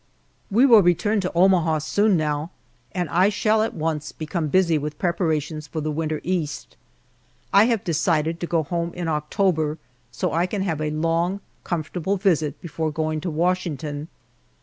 We will return to Omaha soon now, and I shall at once become busy with preparations for the winter East. I have decided to go home in October, so I can have a long, comfortable visit before going to Washington.